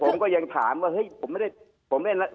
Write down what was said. ผมก็ยังถามว่าเฮ้ยผมไม่ได้